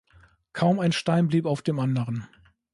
Kaum ein Stein blieb auf dem anderen.